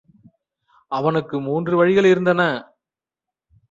அவனுக்கு மூன்று வழிகள் இருந்தன.